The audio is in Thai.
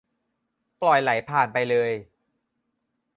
ปล่อยไหลผ่านไปเลย